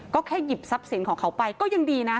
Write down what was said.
ก็แค่หยิบทรัพย์สินของเขาไปก็ยังดีนะ